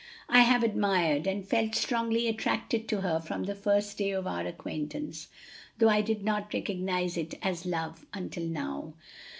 "I have admired and felt strongly attracted to her from the first day of our acquaintance, though I did not recognize it as love until now.